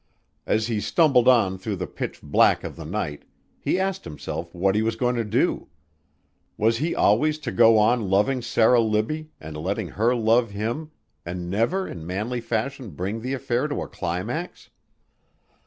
As he stumbled on through the pitch black of the night, he asked himself what he was going to do. Was he always to go on loving Sarah Libbie and letting her love him and never in manly fashion bring the affair to a climax?